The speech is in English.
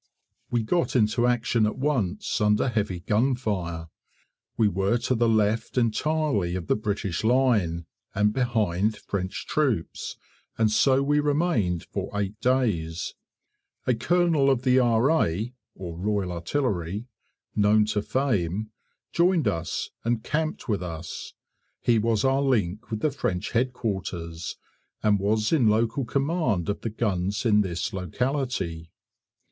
We got into action at once, under heavy gunfire. We were to the left entirely of the British line, and behind French troops, and so we remained for eight days. A Colonel of the R.A., known to fame, joined us and camped with us; he was our link with the French Headquarters, and was in local command of the guns in this locality.